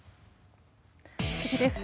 次です。